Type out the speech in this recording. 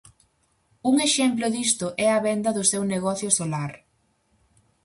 Un exemplo disto é a venda do seu negocio solar.